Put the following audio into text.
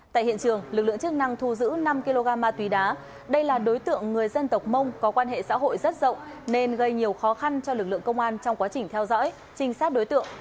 tại hiện trường lực lượng chức năng thu giữ năm kg ma túy đá đây là đối tượng người dân tộc mông có quan hệ xã hội rất rộng nên gây nhiều khó khăn cho lực lượng công an trong quá trình theo dõi trinh sát đối tượng